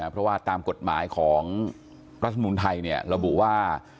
เพราะว่าตามกฎหมายของรัฐมนุนไทยระบุว่า